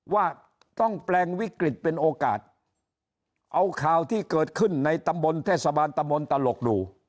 ว่าต้องแปลงวิกฤตเป็นโอกาสเอาข่าวที่เกิดขึ้นในตำบลเทศบาลตะมนต์ตลกดู